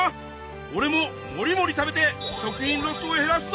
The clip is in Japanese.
おれもモリモリ食べて食品ロスを減らすぞ！